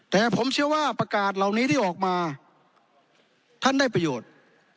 แต่ผมเชื่อว่าประกาศเหล่านี้ที่ออกมาท่านได้ประโยชน์